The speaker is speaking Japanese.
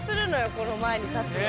この前に立つと。